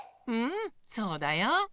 うんそうだよ。